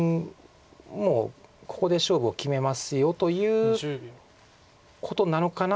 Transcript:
もうここで勝負を決めますよということなのかな。